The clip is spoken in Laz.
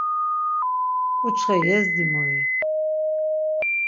Kuç̌xe yezdimui?